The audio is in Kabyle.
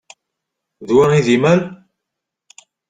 D wa i d imal?